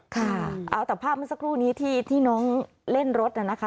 ค่ะเอาแต่ภาพเมื่อสักครู่นี้ที่น้องเล่นรถน่ะนะคะ